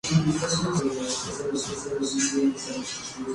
La mayor parte de las imágenes fueron de madera policromada.